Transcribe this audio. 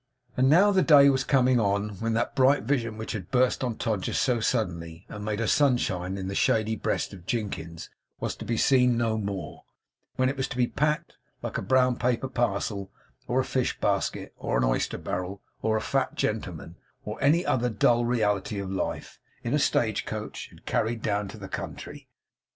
And now the day was coming on, when that bright vision which had burst on Todgers's so suddenly, and made a sunshine in the shady breast of Jinkins, was to be seen no more; when it was to be packed, like a brown paper parcel, or a fish basket, or an oyster barrel or a fat gentleman, or any other dull reality of life, in a stagecoach and carried down into the country.